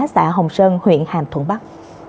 xã hồng sơn huyện hàm thuận bắc